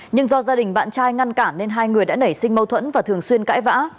nhưng do gia đình bạn trai ngăn cản nên hai người đã nảy sinh mâu thuẫn và thường xuyên cãi vã